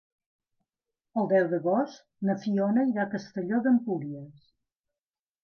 El deu d'agost na Fiona irà a Castelló d'Empúries.